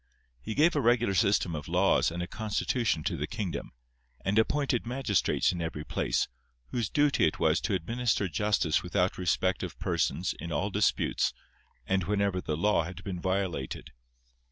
He gave a regular system of laws and a constitution to the kingdom, and appointed magistrates in every place, whose duty it was to administer justice without respect of persons in all disputes, and whenever the law had been violated.